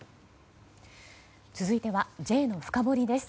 続いてはＪのフカボリです。